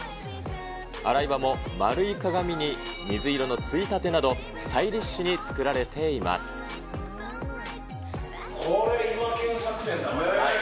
洗い場も丸い鏡に水色のついたてなど、スタイリッシュに作られてこれ、イマケン作戦だな。